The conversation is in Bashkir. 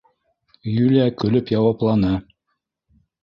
Юлия көлөп яуапланы: